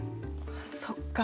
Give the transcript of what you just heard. そっか。